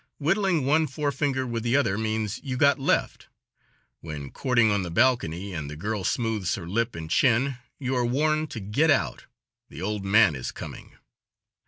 Whittling one forefinger with the other means "you got left." When courting on the balcony and the girl smooths her lip and chin, you are warned to get out; "the old man is coming."